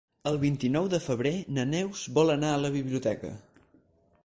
El vint-i-nou de febrer na Neus vol anar a la biblioteca.